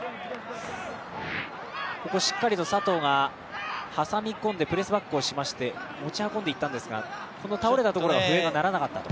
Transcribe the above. ここしっかりと佐藤が挟み込んでプレスバックをしまして持ち運んでいったんですが、倒れたところ、笛が鳴らなかったと。